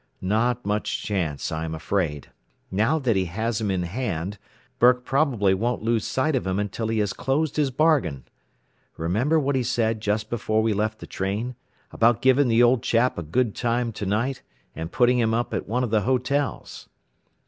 "Not much chance, I am afraid. Now that he has him in hand, Burke probably won't lose sight of him until he has closed his bargain. Remember what he said just before we left the train, about giving the old chap a good time to night, and putting him up at one of the hotels."